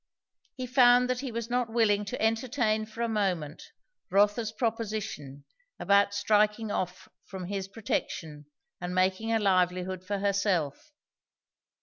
He found that he was not willing to entertain for a moment Rotha's proposition about striking off from his protection and making a livelihood for herself.